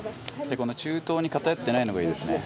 中東に偏ってないのがいいですよね。